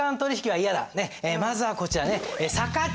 まずはこちらね。